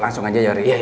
langsung aja ya uri